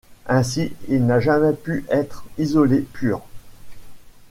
Ainsi, il n'a jamais pu être isolé pur.